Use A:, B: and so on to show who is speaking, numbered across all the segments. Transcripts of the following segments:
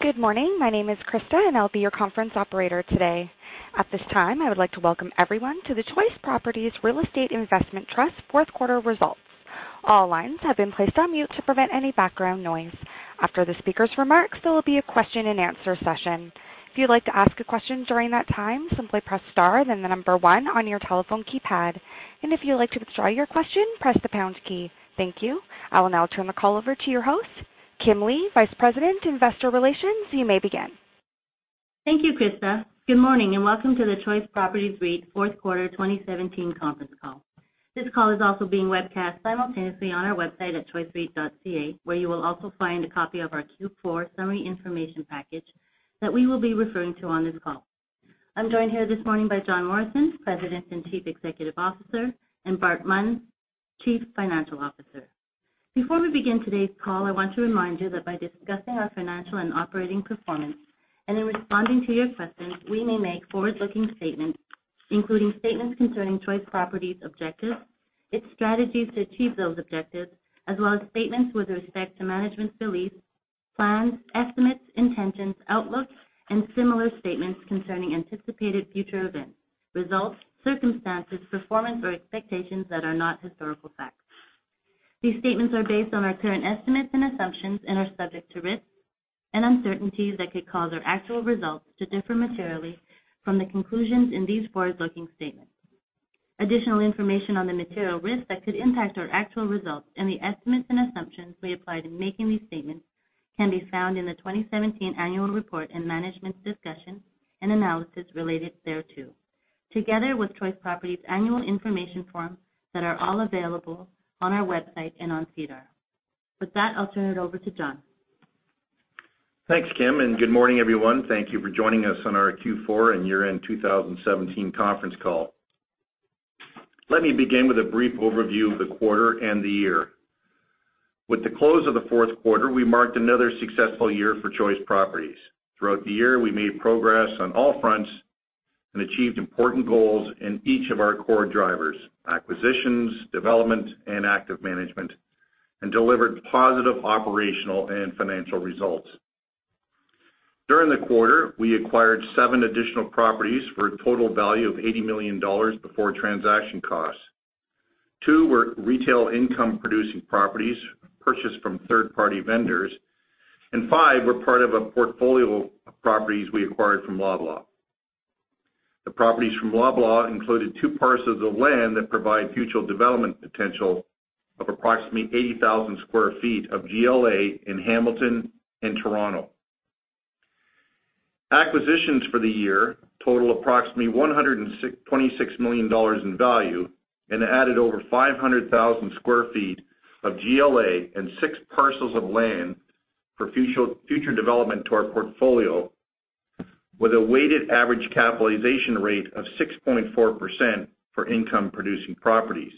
A: Good morning. My name is Krista, and I'll be your conference operator today. At this time, I would like to welcome everyone to the Choice Properties Real Estate Investment Trust Fourth Quarter Results. All lines have been placed on mute to prevent any background noise. After the speakers' remarks, there will be a question and answer session. If you'd like to ask a question during that time, simply press star then 1 on your telephone keypad. If you'd like to withdraw your question, press the pound key. Thank you. I will now turn the call over to your host, Kim Lee, Vice President, Investor Relations. You may begin.
B: Thank you, Krista. Good morning, and welcome to the Choice Properties REIT Fourth Quarter 2017 conference call. This call is also being webcast simultaneously on our website at choicereit.ca, where you will also find a copy of our Q4 summary information package that we will be referring to on this call. I'm joined here this morning by John Morrison, President and Chief Executive Officer, and Bart Munn, Chief Financial Officer. Before we begin today's call, I want to remind you that by discussing our financial and operating performance, and in responding to your questions, we may make forward-looking statements, including statements concerning Choice Properties' objectives, its strategies to achieve those objectives, as well as statements with respect to management's beliefs, plans, estimates, intentions, outlooks, and similar statements concerning anticipated future events, results, circumstances, performance, or expectations that are not historical facts. These statements are based on our current estimates and assumptions and are subject to risks and uncertainties that could cause our actual results to differ materially from the conclusions in these forward-looking statements. Additional information on the material risks that could impact our actual results and the estimates and assumptions we applied in making these statements can be found in the 2017 annual report and management's discussion and analysis related thereto, together with Choice Properties' annual information forms that are all available on our website and on SEDAR. With that, I'll turn it over to John.
C: Thanks, Kim, and good morning, everyone. Thank you for joining us on our Q4 and year-end 2017 conference call. Let me begin with a brief overview of the quarter and the year. With the close of the fourth quarter, we marked another successful year for Choice Properties. Throughout the year, we made progress on all fronts and achieved important goals in each of our core drivers, acquisitions, development, and active management, and delivered positive operational and financial results. During the quarter, we acquired seven additional properties for a total value of 80 million dollars before transaction costs. Two were retail income-producing properties purchased from third-party vendors, and five were part of a portfolio of properties we acquired from Loblaw. The properties from Loblaw included two parcels of land that provide future development potential of approximately 80,000 sq ft of GLA in Hamilton and Toronto. Acquisitions for the year total approximately 126 million dollars in value and added over 500,000 square feet of GLA and six parcels of land for future development to our portfolio, with a weighted average capitalization rate of 6.4% for income-producing properties.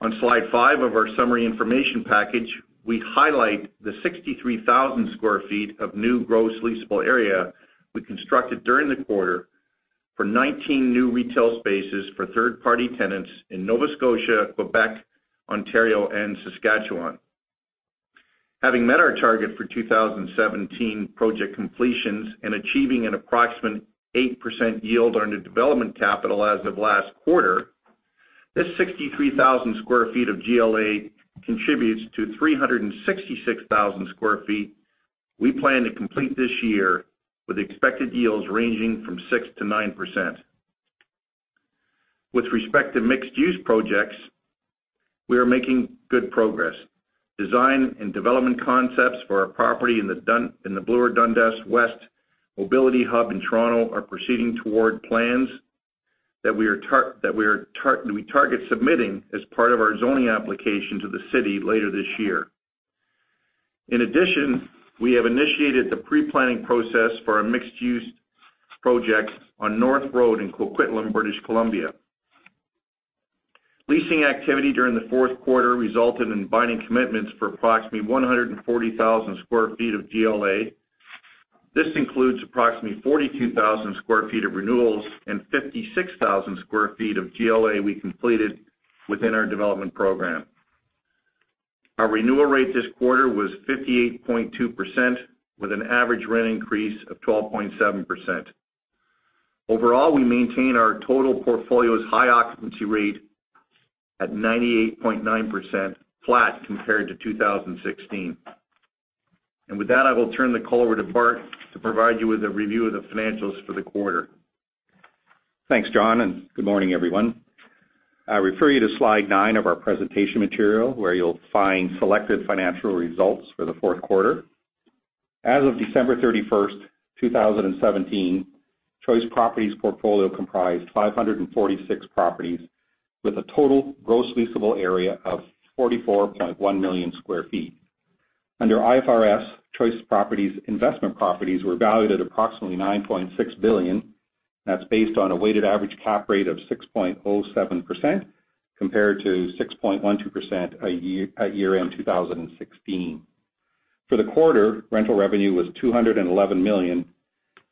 C: On slide five of our summary information package, we highlight the 63,000 square feet of new gross leasable area we constructed during the quarter for 19 new retail spaces for third-party tenants in Nova Scotia, Quebec, Ontario, and Saskatchewan. Having met our target for 2017 project completions and achieving an approximate 8% yield on the development capital as of last quarter, this 63,000 square feet of GLA contributes to 366,000 square feet we plan to complete this year, with expected yields ranging from 6%-9%. With respect to mixed-use projects, we are making good progress. Design and development concepts for our property in the Bloor Dundas West Mobility Hub in Toronto are proceeding toward plans that we target submitting as part of our zoning application to the city later this year. In addition, we have initiated the pre-planning process for a mixed-use project on North Road in Coquitlam, British Columbia. Leasing activity during the fourth quarter resulted in binding commitments for approximately 140,000 square feet of GLA. This includes approximately 42,000 square feet of renewals and 56,000 square feet of GLA we completed within our development program. Our renewal rate this quarter was 58.2%, with an average rent increase of 12.7%. Overall, we maintain our total portfolio's high occupancy rate at 98.9%, flat compared to 2016. With that, I will turn the call over to Bart to provide you with a review of the financials for the quarter.
D: Thanks, John. Good morning, everyone. I refer you to slide nine of our presentation material, where you'll find selected financial results for the fourth quarter. As of December 31st, 2017, Choice Properties' portfolio comprised 546 properties with a total gross leasable area of 44.1 million square feet. Under IFRS, Choice Properties' investment properties were valued at approximately 9.6 billion. That's based on a weighted average cap rate of 6.07%, compared to 6.12% at year-end 2016. For the quarter, rental revenue was 211 million,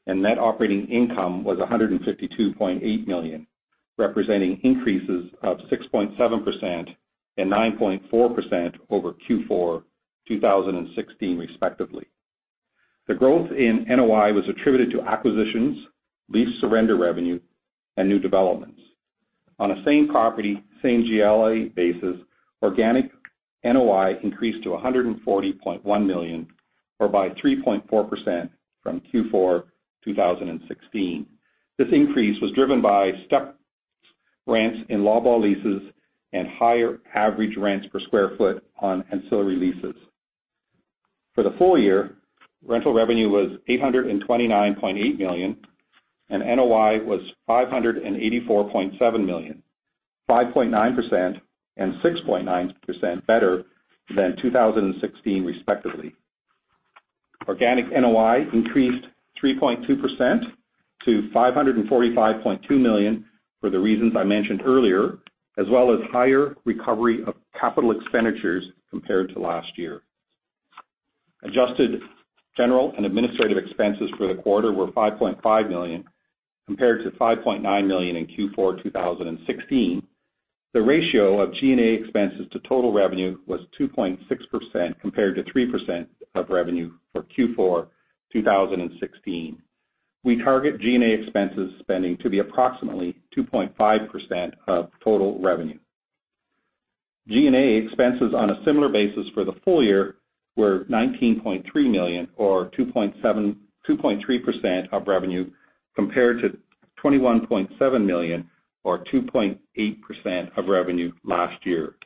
D: and net operating income was 152.8 million, representing increases of 6.7% and 9.4% over Q4 2016, respectively. The growth in NOI was attributed to acquisitions, lease surrender revenue, and new developments. On a same property, same GLA basis, organic NOI increased to 140.1 million, or by 3.4% from Q4 2016. This increase was driven by stepped rents in Loblaw leases and higher average rents per square foot on ancillary leases. For the full year, rental revenue was 829.8 million, and NOI was 584.7 million, 5.9% and 6.9% better than 2016, respectively. Organic NOI increased 3.2% to 545.2 million for the reasons I mentioned earlier, as well as higher recovery of capital expenditures compared to last year. Adjusted general and administrative expenses for the quarter were 5.5 million, compared to 5.9 million in Q4 2016. The ratio of G&A expenses to total revenue was 2.6%, compared to 3% of revenue for Q4 2016. We target G&A expenses spending to be approximately 2.5% of total revenue. G&A expenses on a similar basis for the full year were 19.3 million or 2.3% of revenue, compared to 21.7 million or 2.8% of revenue last year.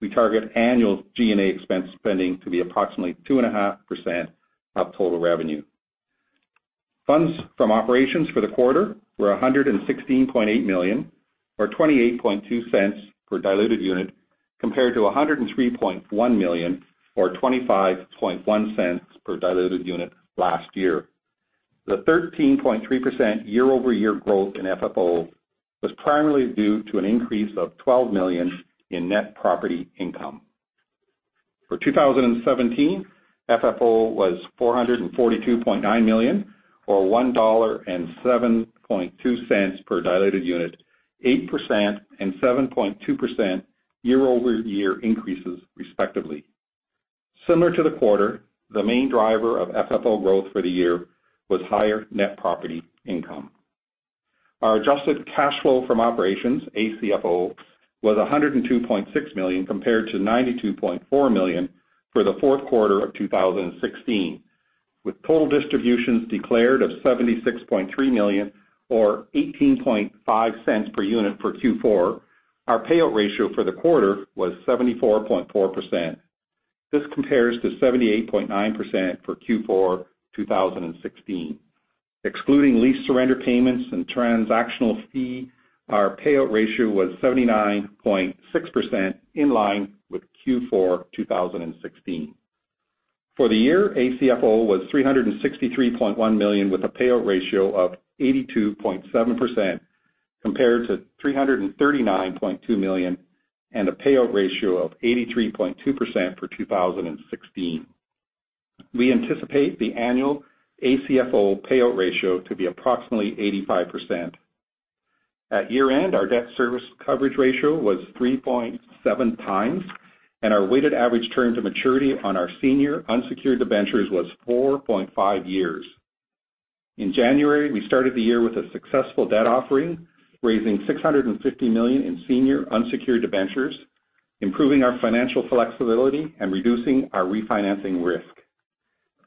D: We target annual G&A expense spending to be approximately 2.5% of total revenue. Funds from operations for the quarter were 116.8 million or 0.282 per diluted unit, compared to 103.1 million or 0.251 per diluted unit last year. The 13.3% year-over-year growth in FFO was primarily due to an increase of 12 million in net property income. For 2017, FFO was 442.9 million, or 1.072 dollar per diluted unit, 8% and 7.2% year-over-year increases, respectively. Similar to the quarter, the main driver of FFO growth for the year was higher net property income. Our ACFO was 102.6 million compared to 92.4 million for the fourth quarter of 2016, with total distributions declared of 76.3 million or 0.185 per unit for Q4. Our payout ratio for the quarter was 74.4%. This compares to 78.9% for Q4 2016. Excluding lease surrender payments and transactional fee, our payout ratio was 79.6%, in line with Q4 2016. For the year, ACFO was 363.1 million with a payout ratio of 82.7%, compared to 339.2 million and a payout ratio of 83.2% for 2016. We anticipate the annual ACFO payout ratio to be approximately 85%. At year-end, our debt service coverage ratio was 3.7 times, and our weighted average term to maturity on our senior unsecured debentures was 4.5 years. In January, we started the year with a successful debt offering, raising 650 million in senior unsecured debentures, improving our financial flexibility and reducing our refinancing risk.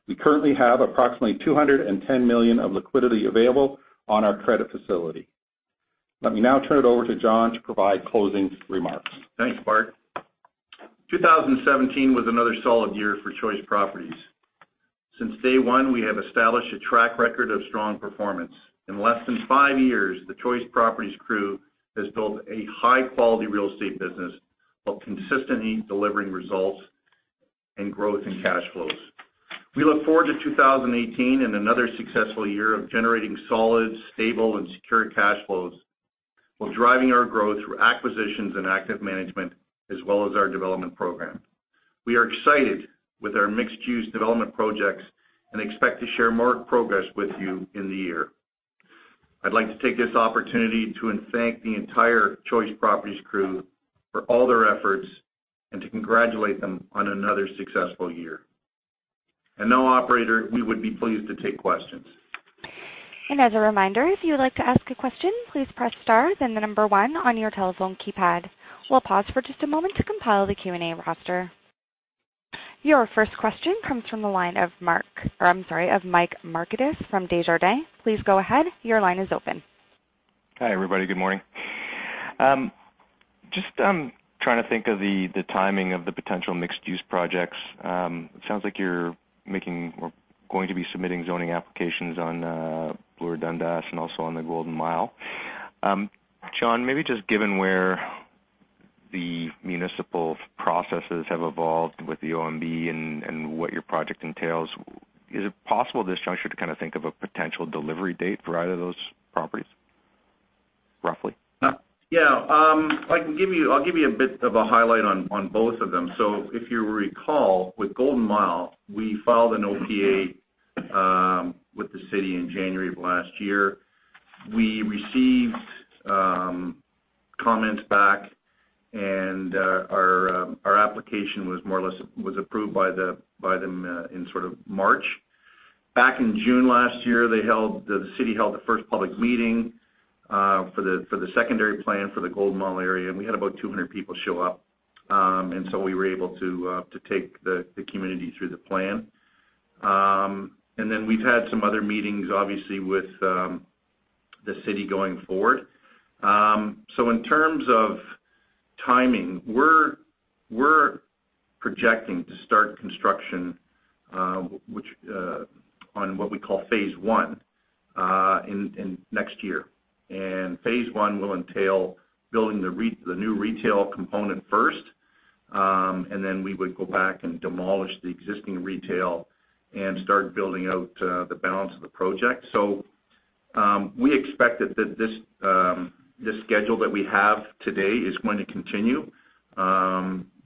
D: We currently have approximately 210 million of liquidity available on our credit facility. Let me now turn it over to John to provide closing remarks.
C: Thanks, Bart. 2017 was another solid year for Choice Properties. Since day one, we have established a track record of strong performance. In less than five years, the Choice Properties crew has built a high-quality real estate business while consistently delivering results in growth and cash flows. We look forward to 2018 and another successful year of generating solid, stable, and secure cash flows while driving our growth through acquisitions and active management as well as our development program. We are excited with our mixed-use development projects and expect to share more progress with you in the year. I'd like to take this opportunity to thank the entire Choice Properties crew for all their efforts and to congratulate them on another successful year. Operator, we would be pleased to take questions.
A: As a reminder, if you would like to ask a question, please press star then the number 1 on your telephone keypad. We'll pause for just a moment to compile the Q&A roster. Your first question comes from the line of Mike Markidis from Desjardins. Please go ahead. Your line is open.
E: Hi, everybody. Good morning. Just trying to think of the timing of the potential mixed-use projects. It sounds like you're going to be submitting zoning applications on Bloor Dundas and also on the Golden Mile. John, maybe just given where the municipal processes have evolved with the OMB and what your project entails, is it possible at this juncture to kind of think of a potential delivery date for either of those properties? Roughly.
C: Yeah. I'll give you a bit of a highlight on both of them. If you recall, with Golden Mile, we filed an OPA with the city in January of last year. We received comments back, and our application was approved by them in March. Back in June last year, the city held the first public meeting for the secondary plan for the Golden Mile area, and we had about 200 people show up. We were able to take the community through the plan. We've had some other meetings, obviously, with the city going forward. In terms of timing, we're projecting to start construction, on what we call phase 1, next year. Phase 1 will entail building the new retail component first, and then we would go back and demolish the existing retail and start building out the balance of the project. We expect that this schedule that we have today is going to continue,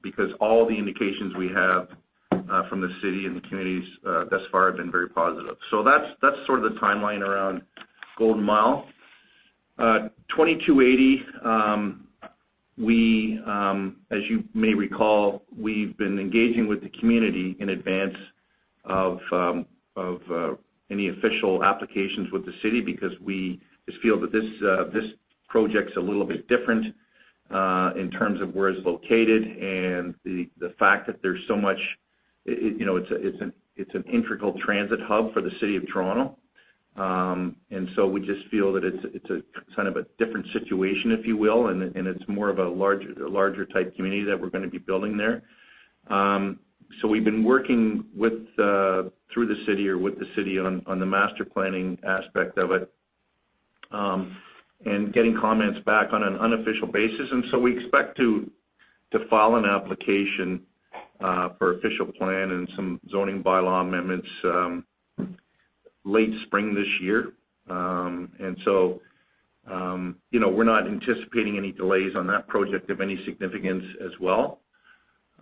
C: because all the indications we have from the city and the communities thus far have been very positive. That's the timeline around Golden Mile. 2280, as you may recall, we've been engaging with the community in advance of any official applications with the city because we just feel that this project's a little bit different in terms of where it's located and the fact that it's an integral transit hub for the city of Toronto. We just feel that it's a different situation, if you will, and it's more of a larger type community that we're going to be building there. We've been working with the city on the master planning aspect of it, and getting comments back on an unofficial basis. We expect to file an application for official plan and some zoning bylaw amendments late spring this year. We're not anticipating any delays on that project of any significance as well.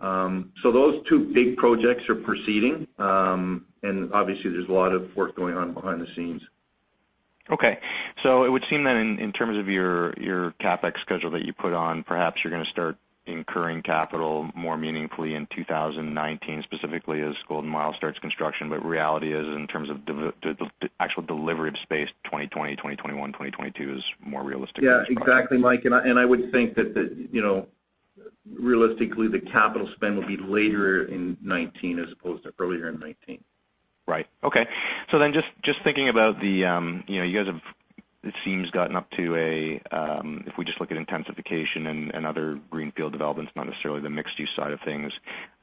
C: Those two big projects are proceeding. Obviously there's a lot of work going on behind the scenes.
E: Okay. it would seem then in terms of your CapEx schedule that you put on, perhaps you're going to start incurring capital more meaningfully in 2019, specifically as Golden Mile starts construction. Reality is, in terms of the actual delivery of space, 2020, 2021, 2022 is more realistic.
C: Yeah, exactly, Mike. I would think that, realistically, the capital spend will be later in 2019 as opposed to earlier in 2019.
E: Right. Okay. just thinking about the You guys have, it seems, gotten up to a, if we just look at intensification and other greenfield developments, not necessarily the mixed-use side of things,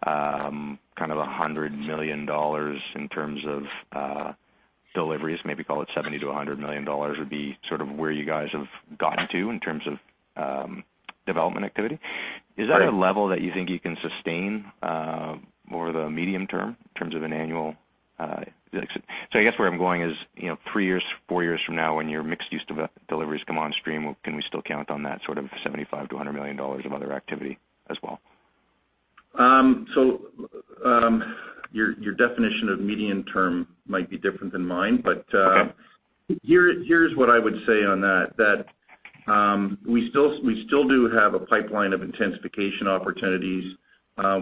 E: kind of 100 million dollars in terms of deliveries. Maybe call it 70 million-100 million dollars would be sort of where you guys have gotten to in terms of development activity.
C: Right.
E: Is that a level that you think you can sustain more the medium term in terms of an annual I guess where I'm going is, three years, four years from now, when your mixed-use deliveries come on stream, can we still count on that sort of 75 million-100 million dollars of other activity as well?
C: Your definition of medium term might be different than mine.
E: Okay
C: here's what I would say on that we still do have a pipeline of intensification opportunities,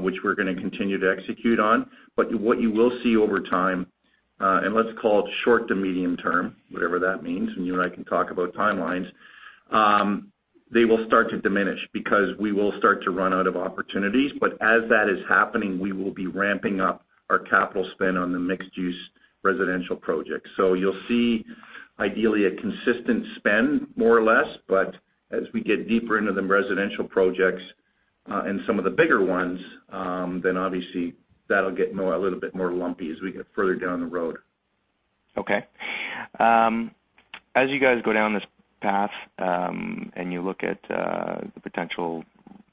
C: which we're going to continue to execute on. What you will see over time, and let's call it short to medium term, whatever that means, and you and I can talk about timelines, they will start to diminish because we will start to run out of opportunities. As that is happening, we will be ramping up our capital spend on the mixed-use residential projects. You'll see ideally a consistent spend, more or less, but as we get deeper into the residential projects and some of the bigger ones, then obviously that'll get a little bit more lumpy as we get further down the road.
E: Okay. As you guys go down this path, and you look at the potential,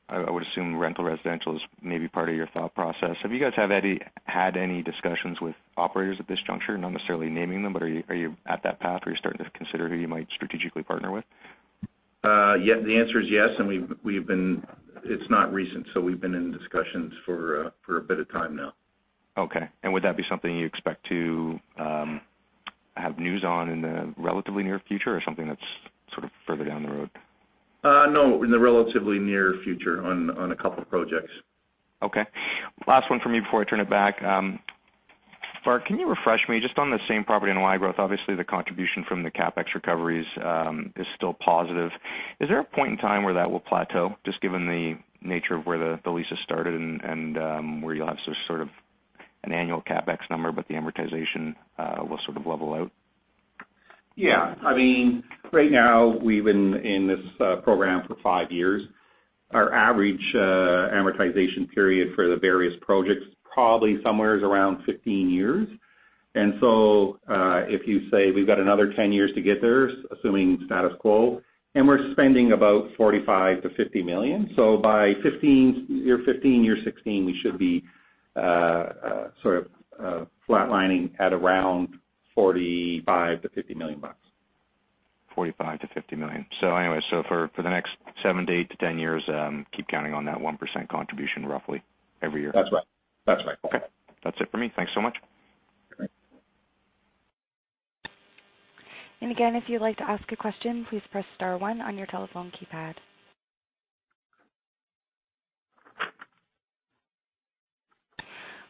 E: I would assume rental residential is maybe part of your thought process. Have you guys had any discussions with operators at this juncture? Not necessarily naming them, but are you at that path? Are you starting to consider who you might strategically partner with?
C: The answer is yes, and it's not recent, so we've been in discussions for a bit of time now.
E: Okay. Would that be something you expect to have news on in the relatively near future or something that's sort of further down the road?
C: No, in the relatively near future on a couple projects.
E: Okay. Last one from me before I turn it back. Bart, can you refresh me just on the same property NOI growth, obviously the contribution from the CapEx recoveries is still positive. Is there a point in time where that will plateau, just given the nature of where the leases started and where you'll have sort of an annual CapEx number, but the amortization will sort of level out?
D: Yeah. Right now, we've been in this program for five years. Our average amortization period for the various projects probably somewhere is around 15 years. If you say we've got another 10 years to get there, assuming status quo, we're spending about 45 million-50 million. By year 15, year 16, we should be sort of flatlining at around 45 million-50 million
E: bucks. 45 million-50 million. Anyway, so for the next seven to eight to 10 years, keep counting on that 1% contribution roughly every year.
D: That's right.
E: Okay. That's it for me. Thanks so much.
C: Okay.
A: Again, if you'd like to ask a question, please press star one on your telephone keypad.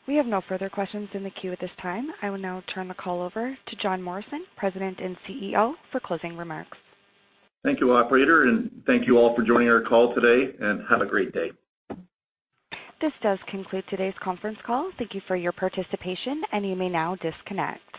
A: We have no further questions in the queue at this time. I will now turn the call over to John Morrison, President and CEO, for closing remarks.
C: Thank you, operator. Thank you all for joining our call today, and have a great day.
A: This does conclude today's conference call. Thank you for your participation. You may now disconnect.